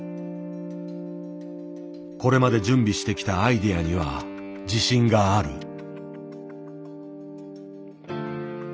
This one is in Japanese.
これまで準備してきたアイデアには自信がある。